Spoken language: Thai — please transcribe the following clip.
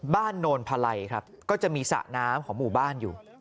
โนนพลัยครับก็จะมีสระน้ำของหมู่บ้านอยู่